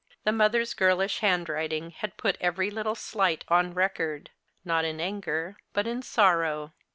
The mother's girlish handwriting had i»ut every little slight on record; not in anger, but in sorrow.